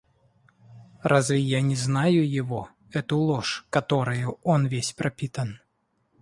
Разве я не знаю его, эту ложь, которою он весь пропитан?..